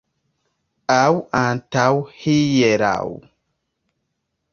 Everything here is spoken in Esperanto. Aŭ antaŭhieraŭ.